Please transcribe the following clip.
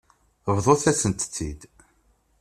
Bḍut-asen-tent-id.